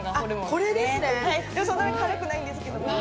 そんなに辛くないですけども。